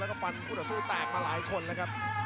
แล้วก็ฟันคู่ต่อสู้แตกมาหลายคนแล้วครับ